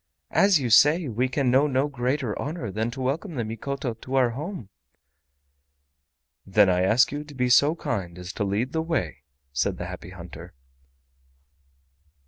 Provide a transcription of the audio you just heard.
"As you say, we can know no greater honor than to welcome the Mikoto to our home." "Then I ask you to be so kind as to lead the way," said the Happy Hunter.